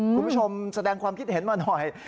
คุณผู้ชมแสดงความคิดเห็นมาหน่อย